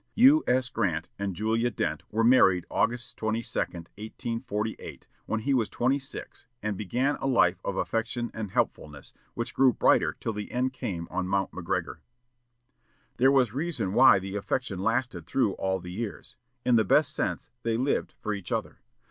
U. S. Grant and Julia Dent were married August 22, 1848, when he was twenty six, and began a life of affection and helpfulness, which grew brighter till the end came on Mt. McGregor. There was reason why the affection lasted through all the years; in the best sense they lived for each other.